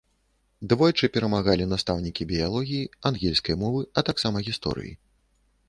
Двойчы перамагалі настаўнікі біялогіі, ангельскай мовы, а таксама гісторыі.